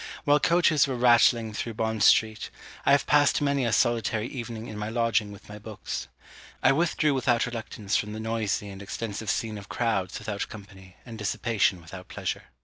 While coaches were rattling through Bond street, I have passed many a solitary evening in my lodging with my books. I withdrew without reluctance from the noisy and extensive scene of crowds without company, and dissipation without pleasure."